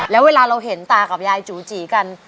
แล้วเวลาเราเห็นตากับยายจูจีกัน